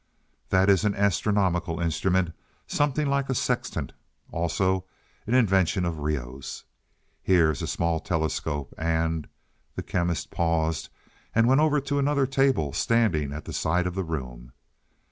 "That is an astronomical instrument, something like a sextant also an invention of Reoh's. Here is a small telescope and " The Chemist paused and went over to another table standing at the side of the room.